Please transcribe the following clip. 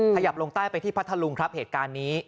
ขยับลงใต้ไปที่พัทธลุงครับเหตุการณ์นี้